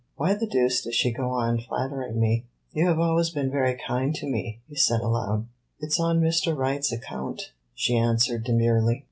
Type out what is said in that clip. "Why the deuce does she go on flattering me? You have always been very kind to me," he said aloud. "It 's on Mr. Wright's account," she answered demurely.